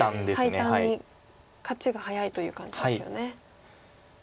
最短に勝ちが早いという感じですよね。